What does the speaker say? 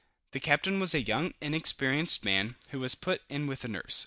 The captain was a young, inexperienced man, who was put in with a nurse.